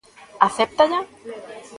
¿Acéptalla?